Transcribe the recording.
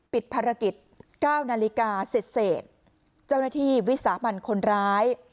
ปิดภารกิจ๙นาฬิกาเสร็จเสร็จเจ้าหน้าที่วิสามันคนร้าย